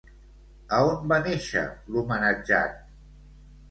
A on va néixer l'homenatjat?